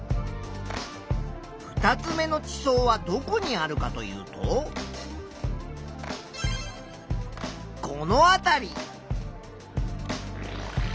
２つ目の地層はどこにあるかというとこの辺り。